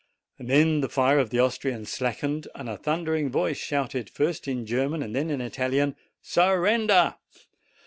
Then the fire of the Austrians slackened, and a thundering voice shouted, first in German and then in Italian, "Surrender!"